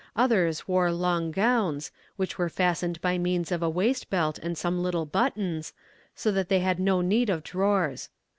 Others wore long gowns, which were fastened by means of a waist belt and some little buttons, so that they had no need of drawers.